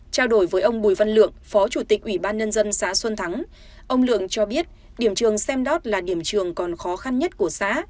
trao đổi với ông bùi văn lượng phó chủ tịch ủy ban nhân dân xã xuân thắng ông lượng cho biết điểm trường xem đót là điểm trường còn khó khăn nhất của xã